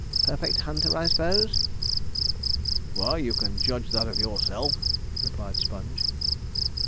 Perfect hunter, I s'pose?' 'Why, you can judge of that yourself,' replied Sponge.